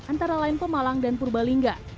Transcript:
antara lain pemalang dan purbalingga